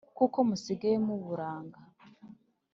Kuko musigiye mu buranga.